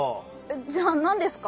じゃあなんですか？